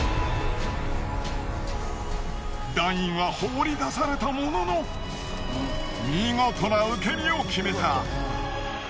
団員は放り出されたものの見事な受け身を決めた。